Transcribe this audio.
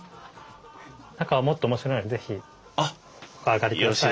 中はもっと面白いので是非お上がりください。